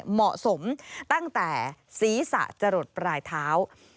เหมาะสมตั้งแต่ศีรษะจะหลดปลายเท้า